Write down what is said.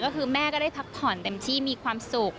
ก็คือแม่ก็ได้พักผ่อนเต็มที่มีความสุข